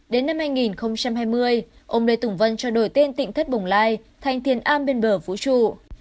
đến năm hai nghìn hai mươi ông lê tùng vân cho đổi tên tỉnh thất bồng lai thành thiên am bên bờ vũ trụ